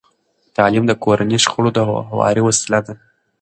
تعلیم د کورني شخړو د هواري وسیله ده.